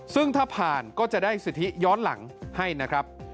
ซึ่งถ้าผ่านก็จะได้สิทธิย้อนหลังให้นะครับ